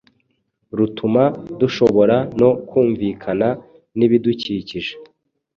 rutuma dushobora no kumvikana n’ibidukikije